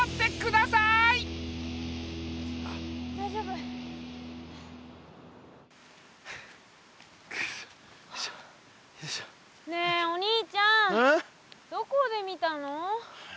だいじょうぶ？ねえお兄ちゃんどこで見たの？